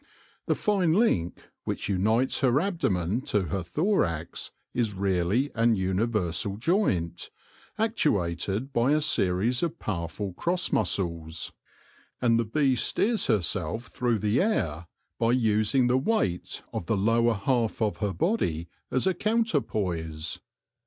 The fine link which unites her abdomen to her thorax is really an universal joint, actuated by a series of powerful cross muscles, and the bee steers herself A ROMANCE OF ANATOMY in through the air by using the weight of the lower half of her body as a counterpoise.